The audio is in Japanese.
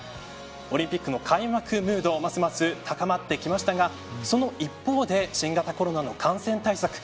オリンピックも開幕ムードますます高まってきましたがその一方で新型コロナの感染対策